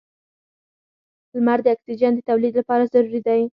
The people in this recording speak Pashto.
• لمر د اکسیجن د تولید لپاره ضروري دی.